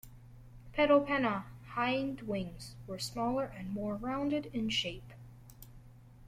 "Pedopenna" hind wings were smaller and more rounded in shape.